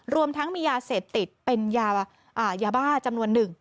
รวมทั้งมียาเสพติดเป็นยาบ้าจำนวนหนึ่ง